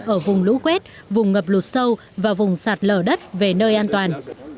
ở vùng lũ quét vùng ngập lụt sâu và vùng sạt lở đất về nơi an toàn